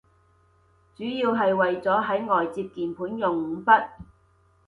主要係為咗喺外接鍵盤用五筆